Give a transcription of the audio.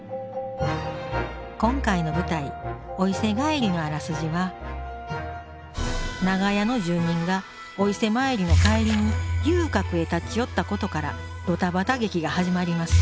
今回の舞台「お伊勢帰り」のあらすじは長屋の住人がお伊勢参りの帰りに遊郭へ立ち寄ったことからドタバタ劇が始まります。